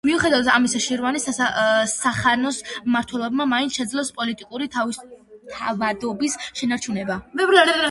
მიუხედავად ამისა, შირვანის სახანოს მმართველებმა მაინც შეძლეს პოლიტიკური თავისთავადობის შენარჩუნება.